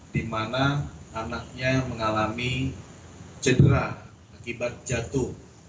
dimana anaknya mengalami cedera akibat jatuh